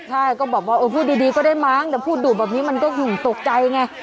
ใช่ก็บอกว่าเออพูดดีก็ได้มั้งแต่พูดดุแบบนี้มันก็ตกใจไง